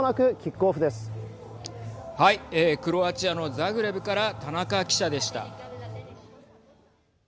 クロアチアのザグレブから田中記者でした。